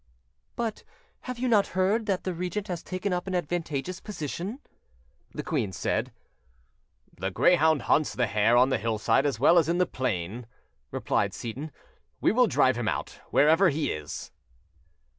'" "But have you not heard that the regent has taken up an advantageous position?" the queen said. "The greyhound hunts the hare on the hillside as well as in the plain," replied Seyton: "we will drive him out, wherever he is."